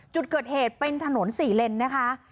จุดเกิดเหตุเป็นถนน๔เลนนะคะ